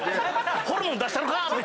「ホルモン出したろか⁉」って。